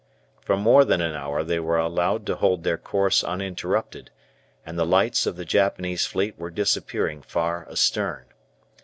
For more than an hour they were allowed to hold their course uninterrupted, and the lights of the Japanese fleet were disappearing far astern.